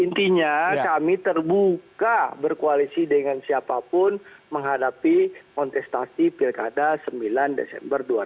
intinya kami terbuka berkoalisi dengan siapapun menghadapi kontestasi pilkada sembilan desember dua ribu dua puluh